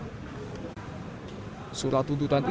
surat tuntutan ini diberikan oleh jokowi dan jokowi